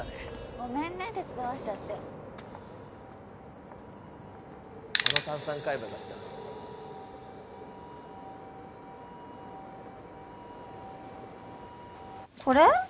ごめんね手伝わせちゃってあの炭酸買えばよかったなこれ？